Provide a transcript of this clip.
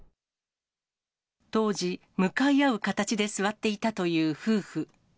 当時、向かい合う形で座っていたという夫婦。